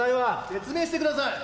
・説明してください！